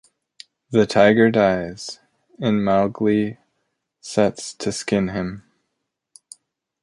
The tiger dies, and Mowgli sets to skin him.